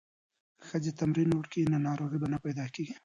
که ښځې تمرین وکړي نو ناروغۍ به نه پیدا کیږي.